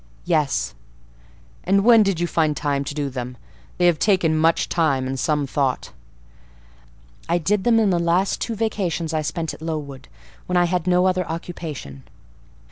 "Yes." "And when did you find time to do them? They have taken much time, and some thought." "I did them in the last two vacations I spent at Lowood, when I had no other occupation."